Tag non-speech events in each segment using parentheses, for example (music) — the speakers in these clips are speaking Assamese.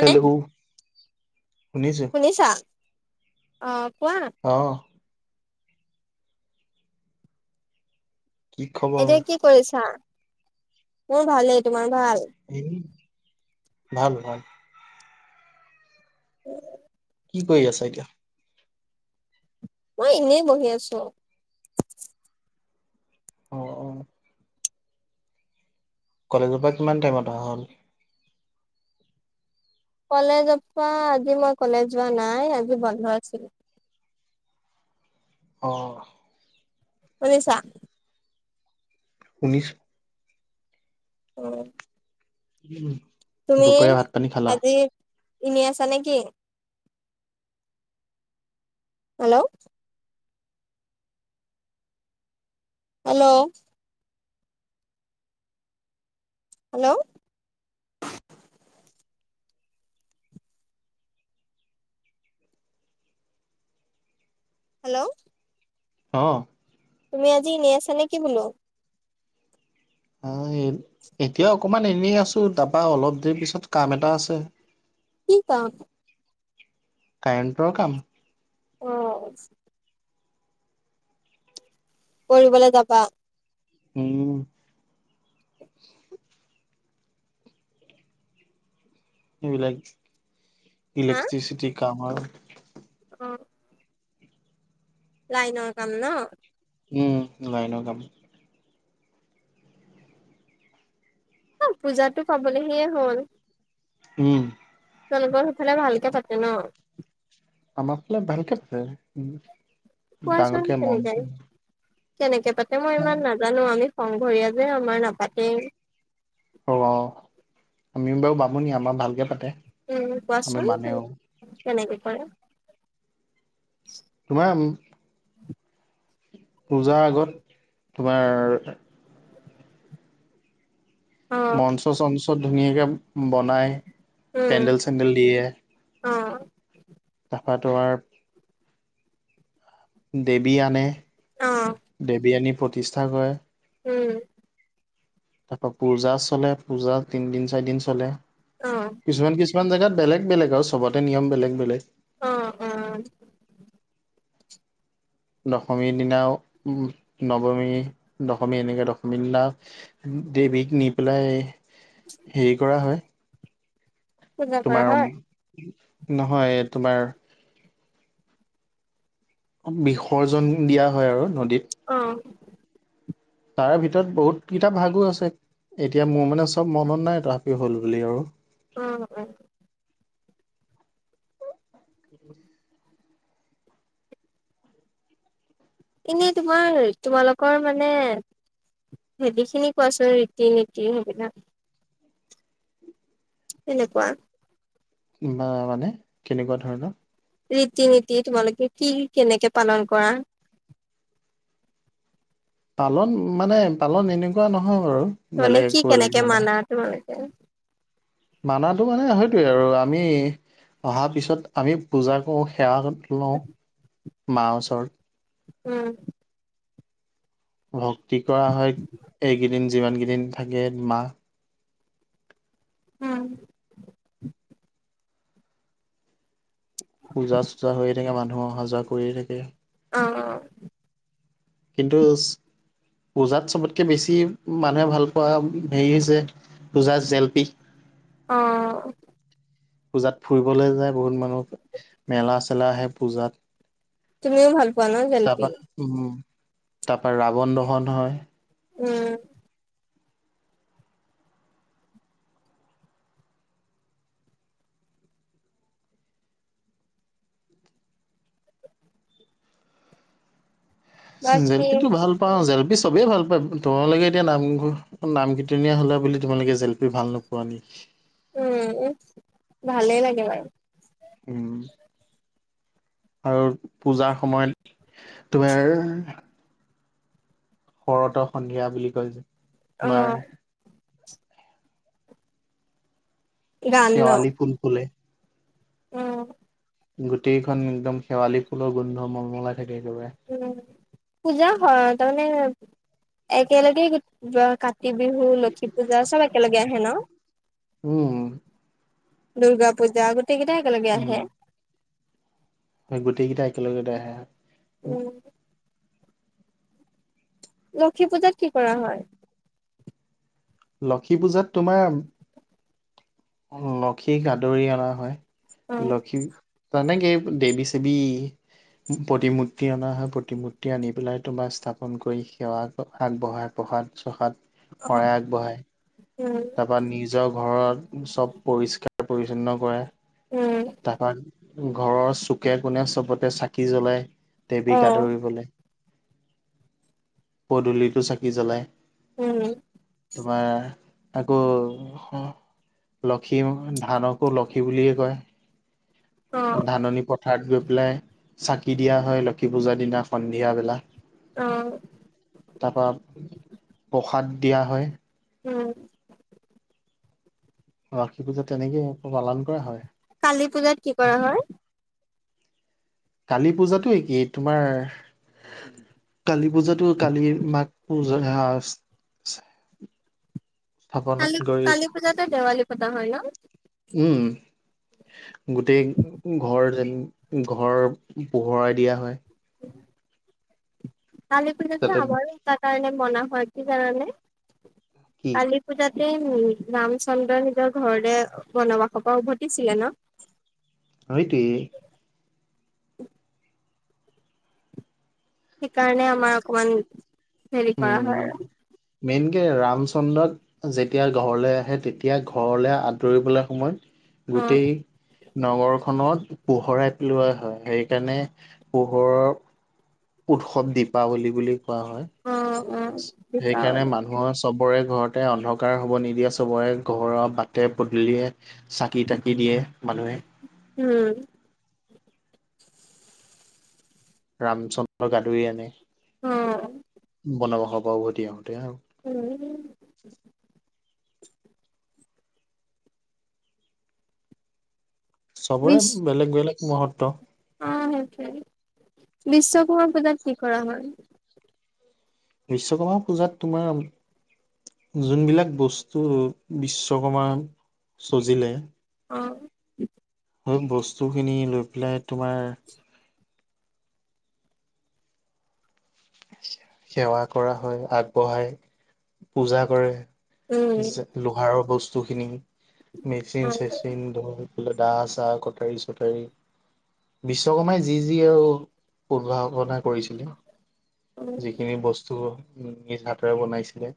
হেল্ল' শুনিছো (inaudible) শুনিছা অহ কোৱা আহ কি খবৰ এতিয়া কি কৰিছা মোৰ ভালেই তোমাৰ। ভাল? উ ভাল-ভাল। (inaudible) কি কৰি আছা এতিয়া। মই এনেই বহি আছো। অ', -অ'। কলেজৰ পৰা কিমান টাইমত অহা হ'ল? কলেজৰ পৰা আজি মই কলেজ যোৱা নাই আজি বন্ধ আছিল। অ'। শুনিছা? শুনিছো। অ'। উম'। তুমি দুপৰীয়া ভাত পানী খালা আজি এনে আছা নেকি? হেল্ল'। হেল্ল'। হেল্ল'। হেল্ল'। অ'। তুমি আজি এনে আছা নেকি বোলো? অ' এতিয়া অকমান এনেই আছো, তাৰাপা অলপ দেৰি পিছত কাম এটা আছে। কি কাম (unintelligible) কাৰেণ্টৰ কাম। অ'। কৰিবলে যাবা উম। এইবিলাক হা? ইলেক্ট্ৰিচিটি কাম আৰু অ'। লাইনৰ কাম ন' উম লাইনো কাম অ' পূজাতটো পাবলৈহে হ'ল উম'। তেওঁলোকৰ সেইফালে ভালকে থাকে ন? আমাৰ ফালে ভালকে পে কোৱাচোন ডাঙৰকে মন কেনেকে। চ কেনেকে পাতে মই ইমান নাজানো, আমি সংঘৰীয়া যে আমাৰ নাপাতেই। অ', -অ' আমিও বাৰু বামুণি, আমাৰ ভালকে পাতে। উম, আমি কোৱাচোন মানেও কেনেকে কৰে? তোমাৰ পূজাৰ আগত তোমাৰ অ মঞ্চ-চঞ্চত ধুনীয়াকে বনাই, উম পেণ্ডেল-চেণ্ডেল দিয়ে। অ ফাতোৱাৰ দেৱী আনে অ দেৱী আনি প্ৰতিষ্ঠা কৰে। উম'। তাৰপা পূজা চলে, পূজা তিনদিন, চাৰিদিন চলে অ কিছুমান কিছু কিছুমান জেগাত বেলেগ বেলেগ আৰু চবতে নিয়ম বেলেগ বেলেগ অ', -অ'। দশমীৰ দিনা উ' নৱমী, দশমী এনেকে দশমীৰ দিনা দেৱীক নি পেলাই হেৰি কৰা হয়। পূজা কৰা তোমাৰ উ হয় নহয় তোমাৰ বিসৰ্জন দিয়া হয় আৰু নদীত অ' তাৰে ভিতৰত বহুত কিতা ভাগো আছে, এতিয়া মোৰ মানে চব মনত নাই তথাপিও হ'ল বুলি আৰু উম-উম। এনেই তোমাৰ তোমালোকৰ মানে হেদিখিনি কোৱাচোন ৰীতি -নীতি সেইবিলাক তেনেকুৱা বা মানে কেনেকুৱা ধৰণৰ ৰীতি-নীতি তোমালোকে কি কেনেকে পালন কৰা? পালন মানে পালন এনেকুৱা নহয়। বাৰু মানে বেলেগ কি একো বেলেগ কেনেকে ধৰণৰ। মানা তোমালোকে মানাটো মানে সেইটোয়ে আৰু আমি অহা পিছত আমি পূজা কৰো সেৱা লও মাৰ ওচৰত উম'। ভক্তি কৰা হয়, এইকেইদিন যিমান কেইদিন থাকে মাহ। (inaudible) উম'। পূজা- চোজা হৈয়ে থাকে, মানুহ অহা-যোৱা কৰিয়ে থাকে। অ', -অ' কিন্তু পূজাত চবতকে বেছি মানুহে ভাল পোৱা হেৰি হৈছে পূজা জেলেপি অ' পূজাত ফুৰিবলৈ যায়, বহুত মানুহ মেলা-চেলা আহে পূজাত তুমিও ভাল পোৱা ন জেলেপি তাৰপা উম, তাৰপা ৰাৱণ দহন হয়। উম' বাকী জেলপি টো ভাল পাও জেলপি চবেই ভাল পায়, তোমালোকে এতিয়া নামঘৰীয়া নাম কীৰ্তনীয়া হ'লা বুলি তোমালোকে জেলেপি ভাল নোপোৱা নেকি? উম-উম ভালেই লাগে বাৰু হম। আৰু পূজাৰ সময়ত তোমাৰ শৰত সন্ধিয়া বুলি কয় যে তোমাৰ অহ। শেৱালি ফুল ফুলে। উম'। গোটেইখন একদম শেৱালি ফুলৰ গোন্ধ মলমলাই থাকে একেবাৰে উম, পূজা হয় তাৰ মানে একেলগে কাতি বিহু, লক্ষী পূজা চব একেলগে আহে ন' উম'। দুৰ্গা পূজা গোটেই কেইটা একেলগে আহে। হয়, গোটেই কেইটা একেলগেতে আহে। উম, লক্ষী পূজাত কি কৰা হয়? লক্ষী পূজাত তোমাৰ লক্ষীক আদৰি অনা হয়। অ', লক্ষী তাৰ মানে কি দেৱী ছেবি প্ৰতিমূৰ্তি অনা হয়। প্ৰতিমূৰ্তি আনি পেলাই তোমাৰ স্থাপন কৰি সেৱা আগ আগবঢ়াব। প্ৰসাদ চসাত অ', শৰাই আগবঢ়াই, উম, তাৰ পৰা নিজৰ ঘৰত চব পৰিষ্কাৰ পৰিষণ্ণ কৰে উম, তাপা। ঘৰৰ চুকে কোনে চবতে চাকি জ্বলাই দেৱীক অ', আদৰিবলে। পদূলিতো চাকি জ্বলাই। উম, তোমাৰ তাকো লক্ষী ধানকো লক্ষী বুলিয়ে কয়। অ', ধাননি পথ ঠাৰ্ড গৈ পেলাই চাকি দিয়া হয় লক্ষী পূজাৰ দিনা সন্ধিয়াবেলা। অ', তাপা প্ৰসাদ দিয়া হয়। উম। লক্ষী পূজা তেনেকে পালন কৰা হয়। কালী পূজাত কি কৰা হয়? কালি পূজাতো একেই, তোমাৰ কালি পূজাটো কালি মাক (unintelligible) কালি গৈ কালি পূজাতে দেৱালী পতা হয় ন? উম গোটেই ঘৰ যেন ঘৰ পোহৰাই দিয়া হয়। কালি পূজাটো তাতে আমাৰো এতা কাৰণে মনা হয় কি জানানে? কি কালী পূজাত সেই ৰামচন্দ্ৰ নিজৰ ঘৰলে বনবাসৰ পৰা উভতিছিলে ন। সেইটোৱেই (unintelligible) সেইকাৰণে আমাৰ অকমান হেৰি কৰা উম হয় আৰু। মেইনকে ৰামচন্দ্ৰক যেতিয়া ঘৰলৈ আহে তেতিয়া ঘৰলৈ আদৰিবলৈ সময়ত অ', গোটেই। নগৰখনক পোহৰাই পেলোৱা হয়, সেইকাৰণে পোহৰৰ উৎসৱ দিপাৱলি বুলি কোৱা হয়। অ', অ', সেইকাৰণে দীপাৱলী মানুহৰ চবৰে ঘৰতে অন্ধকাৰ হ'ব নিদিয়ে, চবৰে ঘৰৰ বাটে পদূলিয়ে চাকি, তাকি দিয়ে মানুহে উম, ৰামচন্দ্ৰক আদৰি আনে অ', বনবাসৰ পৰা উভতি আহোতে। আৰু। উম। চবৰে বেলেগ বেলেগ মহত্ব অঁ সেইটোৱে। বিশ্বকৰ্মা পূজাত কি কৰা হয়? বিশ্বকৰ্মা পূজাত তোমাৰ যোনবিলাক বস্তু বিশ্বকৰ্মা চজিলে। অ। বস্তুখিনি লৈ পেলাই তোমাৰ সেৱা কৰা হয়, আগবঢ়াই পূজা কৰে। উম, যে লোহাৰৰ বস্তু খিনি, মেচিন অ', চেচিন ধৰ। দা চা কটাৰী চটাৰী। বিশ্বকৰ্মাই যি যি আৰু উদ্ভাৱনা কৰিছিলে। উম, যিখিনি বস্তু নিজ হাতেৰে বনাইছিলে,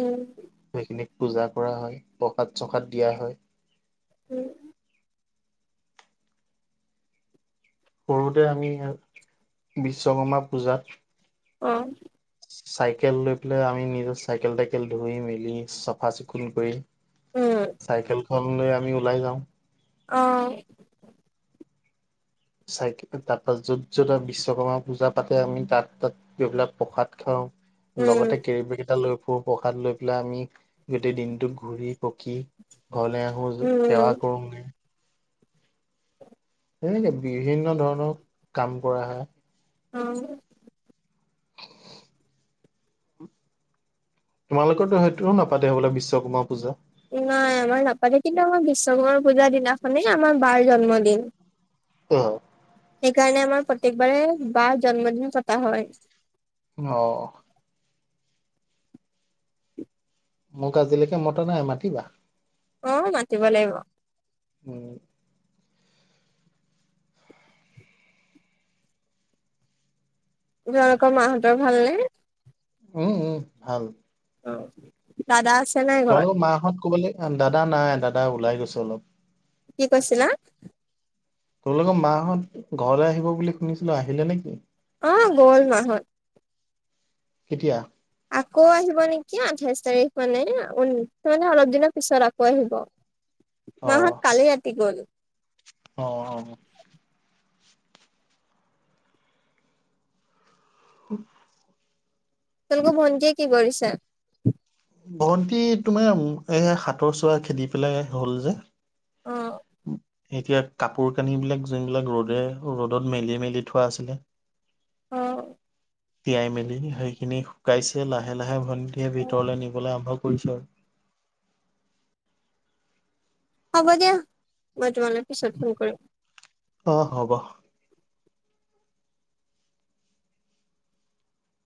উম, পূজাত কৰা হয়, প্ৰসাদ চসাদ দিয়া হয়। উম। সৰুতে আমি বিশ্বকৰ্মা পূজাত। আঁহ। চাইকেল লৈ পেলাই আমি নিজৰ চাইকেল তাইকেল ধুই মেলি চফা চিকুণ কৰি উম, চাইকেল খন লৈ আমি ওলাই যাওঁ। অহ। চাইকেলেৰে তাৰ পৰা য'ত য'ত আৰু বিশ্বকৰ্মা পূজা পাতে আমি তাত তাত গৈ পেলাই প্ৰসাদ খাওঁ। উম, লগতে কেৰিবেগ এটা লৈ প্ৰসাদ লৈ পেলাই আমি গোটেই দিনটো ঘূৰি পকি ঘৰলৈ আহো সেৱা উম, কৰোগে। সেনেকেই বিভিন্ন ধৰণৰ কাম কৰা হয়। অহ। (unintelligible) তোমালোকৰ তো সেইটোও নাপাতে হবলা বিশ্বকৰ্মা পূজা। নাই আমাৰ নাপালে কিন্তু আমাৰ বিশ্বকৰ্মাৰ পূজা দিনাখনেই আমাৰ বাৰ জন্মদিন। অ সেইকাৰণে আমাৰ প্ৰত্যেকবাৰে বাৰ জন্মদিন পতা হয়। অ। মোক আজিলৈকে মতা নাই, মাতিবা। অ মাতিব লাগিব। উম। তোমালোকৰ মাহঁতৰ ভাল নে? উম উম ভাল। অ দাদা আছে নাই ঘৰত তহঁতৰ মাঁহত কবালে, দাদা নাই দাদা ওলাই গৈছে অলপ। কি কৈছিলা? তোমালোকৰ মাহঁত ঘৰলৈ আহিব বুলি শুনিছিলো আহিলে নেকি? অ গ'ল মাঁ হত। কেতিয়া? আকৌ আহিব নেকি আঠাইশ তাৰিখ মানে আ এ উ অলপ দিনৰ পিছত আকৌ আহিব। অ মাঁহত কালি ৰাতি গল। অ অ (unintelligible) তোমালোকৰ ভণ্টিয়ে কি কৰিছে? ভন্টি তোমাৰ এই হাতৰ চৰা খেদি পেলাই হ'ল যে অ এতিয়া কাপোৰ কানিবিলাক যোনবিলাক ৰ'দে ৰ'দত মেলি মেলি থোৱা আছিলে অহ। তিয়াই মেলি সেইখিনি শুকাইছে লাহে লাহে ভন এতিয়া ভিতৰলৈ নিবলৈ আৰম্ভ কৰিছো আৰু। হ'ব দিয়া। মই তোমালে পিছত ফোন কৰিম। অ হব।